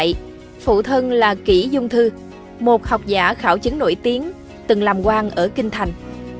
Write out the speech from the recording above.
đại phụ thân là kỷ dung thư một học giả khảo chứng nổi tiếng từng làm quang ở kinh thành